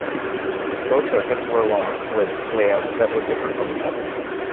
Both circuits were long with layouts that were different from each other.